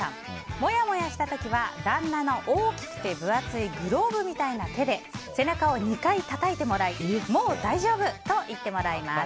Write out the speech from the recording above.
もやもやした時は旦那の大きくて分厚いグローブみたいな手で背中を２回たたいてもらいもう大丈夫！と言ってもらいます。